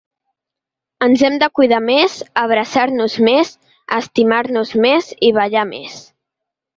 Ens hem de cuidar més, abraçar-nos més, estimar-nos més i ballar més.